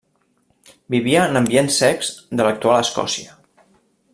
Vivia en ambients secs de l'actual Escòcia.